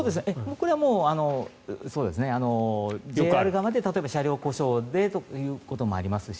これはもうＪＲ側で例えば車両故障でということもありますし